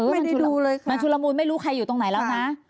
ไม่ได้ดูเลยค่ะมันชุดละมุนไม่รู้ใครอยู่ตรงไหนแล้วนะ